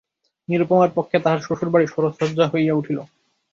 নিরুপমার পক্ষে তাহার শ্বশুরবাড়ি শরশয্যা হইয়া উঠিল।